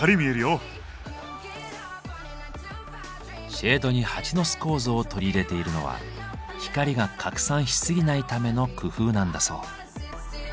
シェードにハチの巣構造を取り入れているのは光が拡散しすぎないための工夫なんだそう。